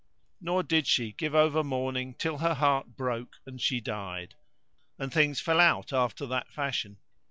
Nor did she give over mourning till her heart broke and she died; and things fell out after that fashion.